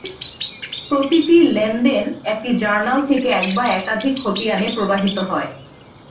প্রতিটি লেনদেন একটি জার্নাল থেকে এক বা একাধিক খতিয়ানে প্রবাহিত হয়।